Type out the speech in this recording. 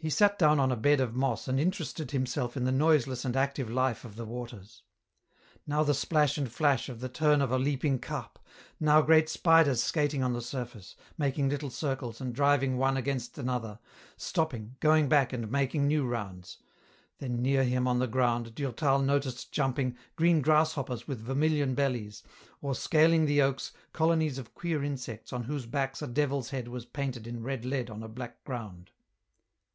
He sat down on a bed of moss and interested himself in the noiseless and active life of the waters. Now the splash and flash of the turn of a leaping carp ; now great spiders skating on the surface, making little circles and driving one against another, stop ping, going back and making new rounds ; then, near him on the ground, Durtal noticed jumping, green grasshoppers with vermilion bellies, or, scaling the oaks, colonies of queer insects on whose backs a devil's head was painted in red lead on a black ground.